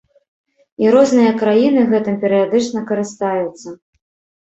І розныя краіны гэтым перыядычна карыстаюцца.